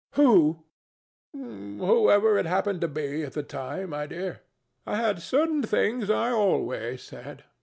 Whoever it happened to be at the time, my dear. I had certain things I always said.